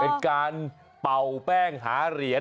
เป็นการเป่าแป้งหาเหรียญ